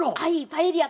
パエリア！？